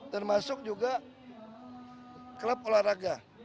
termasuk juga klub olahraga